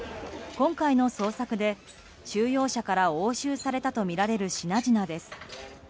今回の捜索で収容者から押収されたとする品々です。